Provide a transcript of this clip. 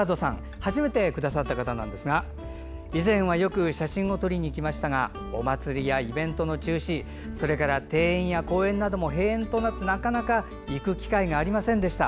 初めてくださった方なんですが以前はよく写真を撮りにいきましたがお祭りやイベントの中止庭園や公園も閉園となってなかなか行く機会がありませんでした。